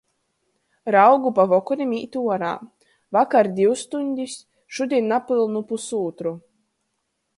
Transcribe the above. Raugu pa vokorim īt uorā. Vakar div stuņdis, šudiņ napylnu pusūtru.